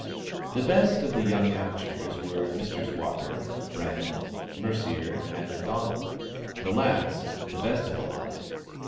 The best of the young amateurs were Messrs. Walker, Brand, Mercier and McDonnell; the last, the best of the lot.